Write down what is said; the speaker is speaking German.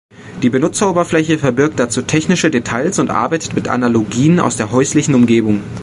Die Benutzeroberfläche verbirgt dazu technische Details und arbeitet mit Analogien aus der häuslichen Umgebung.